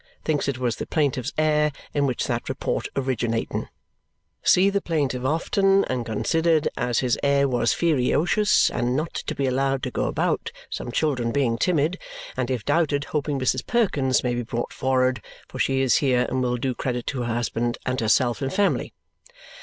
Thinks it was the plaintive's air in which that report originatinin. See the plaintive often and considered as his air was feariocious and not to be allowed to go about some children being timid (and if doubted hoping Mrs. Perkins may be brought forard for she is here and will do credit to her husband and herself and family).